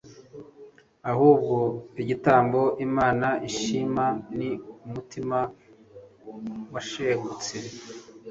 Ahubwo igitambo Imana ishima ni umutima washengutse